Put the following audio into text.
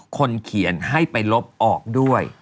คนเขียนให้ไปลบออกด้วย